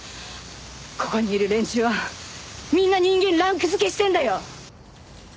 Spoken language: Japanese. ここにいる連中はみんな人間をランク付けしてるんだよ！